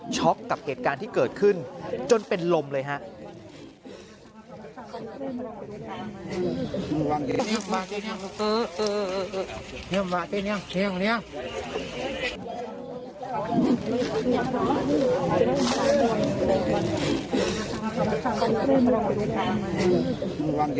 กับเหตุการณ์ที่เกิดขึ้นจนเป็นลมเลยครับ